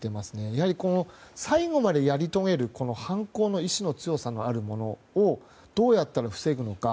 やはり、最後までやり遂げる犯行の意志の強さのあるものをどうやったら防ぐのか。